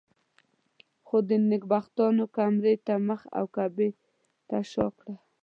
خو دې نېکبختانو کامرې ته مخ او کعبې ته شا کړه.